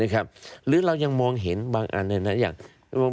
หรือเรายังมองเห็นบางอัน